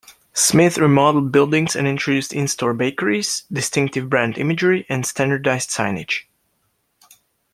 Smith remodeled buildings, and introduced in-store bakeries, distinctive brand imagery, and standardized signage.